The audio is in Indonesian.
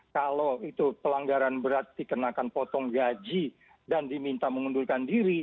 kalau itu pelanggaran berat dikenakan potong gaji dan diminta mengundurkan diri